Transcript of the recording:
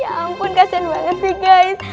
ya ampun kasian banget sih guys